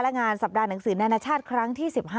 และงานสัปดาห์หนังสือนานาชาติครั้งที่๑๕